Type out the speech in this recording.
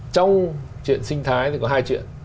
trong chuyện sinh thái thì có hai chuyện